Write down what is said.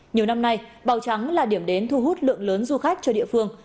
nhiều năm nay bào trắng là điểm đến thu hút lượng lớn du khách cho địa phương